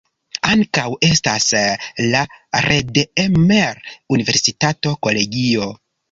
Ankaŭ estas la Redeemer-Universitato-kolegio.